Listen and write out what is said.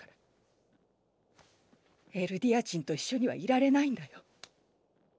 エルディア人と一緒にはいられないんだよ。